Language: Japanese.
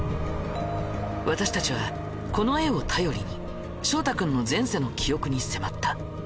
私たちはこの絵を頼りに翔太君の前世の記憶に迫った。